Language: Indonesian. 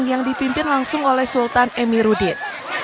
yang dipimpin langsung oleh sultan emi rudit